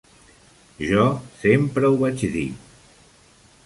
Jo sempre ho vaig dir.